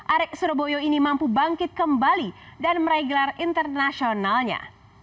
arek surabaya ini mampu bangkit kembali dan meraih gelar internasionalnya